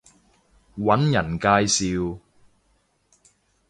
搵人介紹